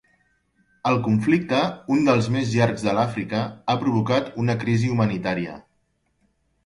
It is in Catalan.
El conflicte, un dels més llargs de l'Àfrica, ha provocat una crisi humanitària.